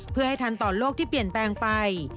เพื่อให้ทันต่อโลกที่เปลี่ยนแปลงไป